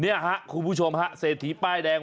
นี่ฮะคุณผู้ชมฮะเสถีป้ายแดง